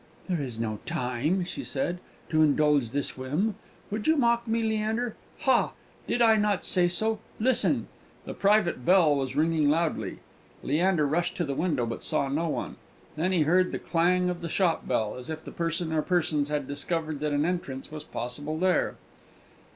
"There is no time," she said, "to indulge this whim. Would you mock me, Leander? Ha! did I not say so? Listen!" The private bell was ringing loudly. Leander rushed to the window, but saw no one. Then he heard the clang of the shop bell, as if the person or persons had discovered that an entrance was possible there.